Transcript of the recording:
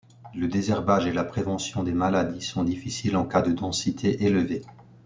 Le désherbage et la prévention des maladies sont difficiles en cas de densité élevée.